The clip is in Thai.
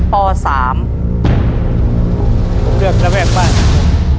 ป๓เลือกระแวกบ้านครับผม